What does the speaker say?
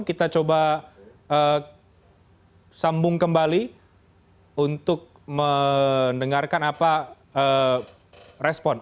kita coba sambung kembali untuk mendengarkan apa respon